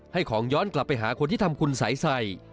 ให้ของย้อนกลับไปหาคนที่ทำคุณสัยใส่